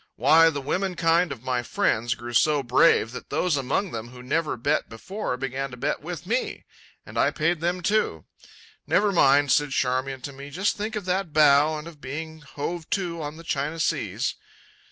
Why, the women kind of my friends grew so brave that those among them who never bet before began to bet with me. And I paid them, too. "Never mind," said Charmian to me; "just think of that bow and of being hove to on the China Seas."